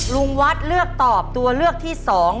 ลุงวัดเลือกตอบตัวเลือกที่๒